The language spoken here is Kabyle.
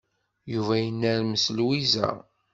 Yuba yennermes Lwiza.